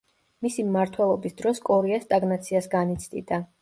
მისი მმართველობის დროს კორეა სტაგნაციას განიცდიდა.